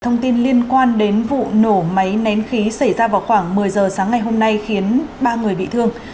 thông tin liên quan đến vụ nổ máy nén khí xảy ra vào khoảng một mươi giờ sáng ngày hôm nay khiến ba người bị thương